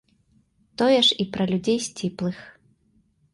Тое ж і пра людзей сціплых.